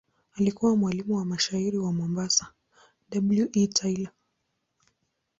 Alikuwa mwalimu wa mshairi wa Mombasa W. E. Taylor.